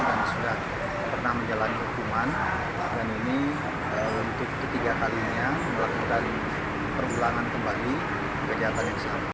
dan sudah pernah menjalani hukuman dan ini untuk ketiga kalinya melakukan pergulangan kembali kejahatan yang sama